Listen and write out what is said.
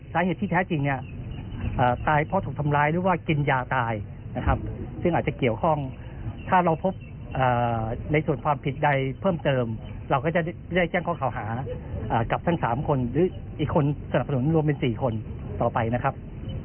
เกษที่มานี่มีแรงจูงใจไหมครับหรือว่ามีการหวังแขนล่วงหน้าไหมครับ